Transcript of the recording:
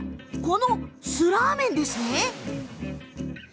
この、スラーメンですね。